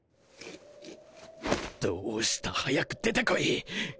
どうした早く出てこい。